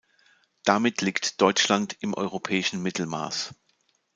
Damit liegt Deutschland im europäischen Mittelmaß.